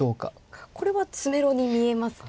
これは詰めろに見えますね。